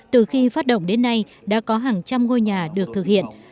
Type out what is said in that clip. từ khi phát động đến nay đã có hàng trăm ngôi nhà được thực hiện